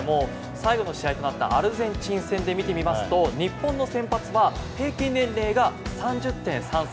最後の試合となったアルゼンチン戦で見てみますと日本の先発は平均年齢が３０．３歳。